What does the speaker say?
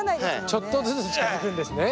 ちょっとずつ近づくんですね。